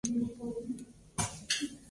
Aunque Jiang "et al.